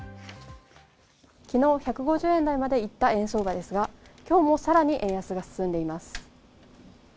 昨日１５０円台まで行った円相場ですが、今日も、さらに円安が進んでいます。